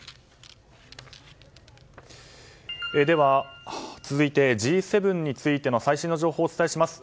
では、続いてＧ７についての最新の情報をお伝えします。